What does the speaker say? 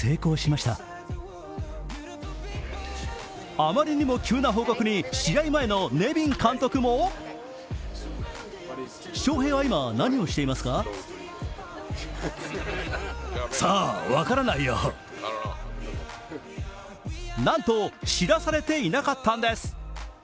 あまりにも急な報告に、試合前のネビン監督もなんと知らされていなかったんです。